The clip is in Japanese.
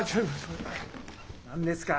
何ですか？